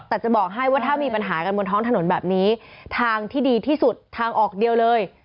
แต่จะบอกให้ว่าถ้ามีปัญหากันบนท้องถนนแบบนี้ทางที่ดีที่สุดทางออกเดียวเลย